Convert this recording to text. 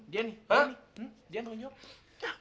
dia nih dia nih dia tanggung jawab